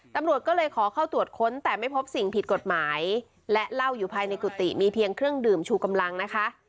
ตำรวจก็เลยขอเข้าตรวจค้นแต่ไม่พบสิ่งผิดกฎหมายและเหล้าอยู่ภายในกุฏิมีเพียงเครื่องดื่มชูกำลังนะคะ